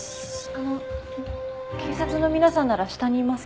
あの警察の皆さんなら下にいますけど。